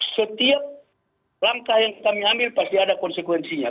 setiap langkah yang kami ambil pasti ada konsekuensinya